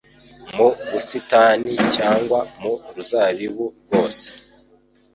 mu busitani cyangwa mu ruzabibu rwose'°.